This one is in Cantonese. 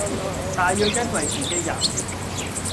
大約因爲自己喫了，